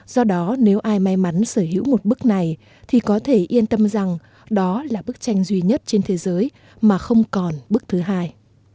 do đó nếu ai may mắn sở hữu một bức này thì có thể yên tâm rằng đó là bức tranh duy nhất trên thế giới mà không còn bức thứ hai